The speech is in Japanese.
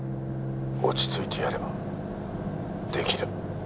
落ち着いてやればできる。